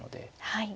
はい。